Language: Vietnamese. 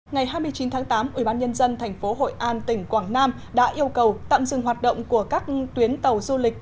ngày hai mươi chín tháng tám ubnd tp hội an tỉnh quảng nam đã yêu cầu tạm dừng hoạt động của các tuyến tàu du lịch